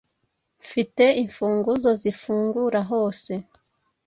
Mfite infunguzo zifungura hose